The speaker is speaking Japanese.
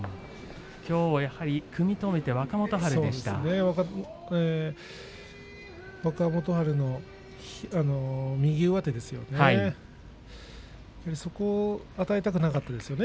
きょう、やはり組み止めて若元春の右上手ですね。